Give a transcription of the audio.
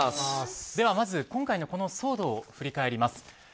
ではまず今回のこの騒動を振り返ります。